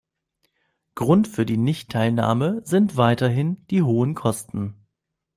Grund für die Nicht-Teilnahme sind weiterhin die hohen Kosten.